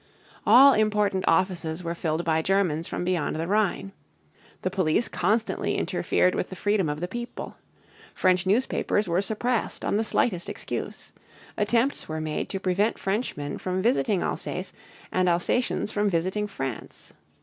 All important offices were filled by Germans from beyond the Rhine. The police constantly interfered with the freedom of the people. French newspapers were suppressed on the slightest excuse. Attempts were made to prevent Frenchmen from visiting Alsace and Alsatians from visiting France.